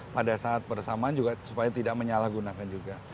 pada saat bersamaan juga supaya tidak menyalahgunakan juga